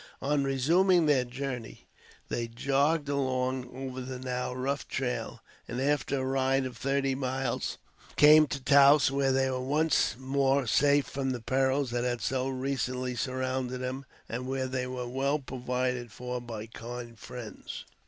On resuming their journey, they jogged along over the now rough trail and, after a ride of thirty miles, came to Taos, where they were once more safe from the perils that had so recently surrounded them, and where they were well provided for by kind friends.